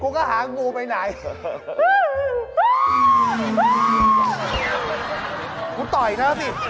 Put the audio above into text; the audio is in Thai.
กูก็หางบูไปไหน